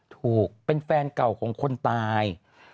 ถูกเป็นแฟนเก่าของคนตาย